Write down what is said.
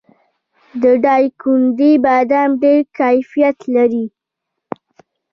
د دایکنډي بادام ډیر کیفیت لري.